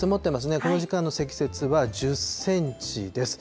この時間の積雪は１０センチです。